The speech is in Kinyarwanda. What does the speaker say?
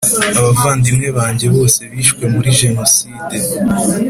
Abavandimwe banjye bose bishwe muri Jenoside